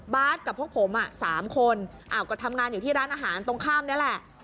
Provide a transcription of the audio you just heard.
กับพวกผม๓คนก็ทำงานอยู่ที่ร้านอาหารตรงข้ามนี่แหละ